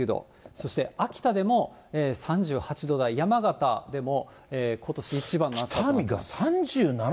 そして秋田でも３８度台、山形でもことし一番の暑さとなっています。